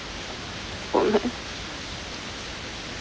ごめん。